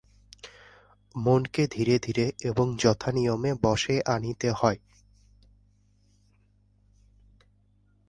মনকে ধীরে ধীরে এবং যথানিয়মে বশে আনিতে হয়।